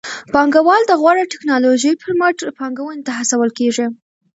پانګوال د غوره ټکنالوژۍ پر مټ پانګونې ته هڅول کېږي.